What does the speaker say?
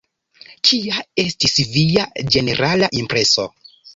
Kia estis via ĝenerala impreso?